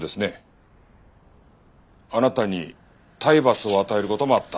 あなたに体罰を与える事もあった。